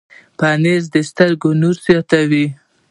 پنېر د سترګو نور زیاتوي.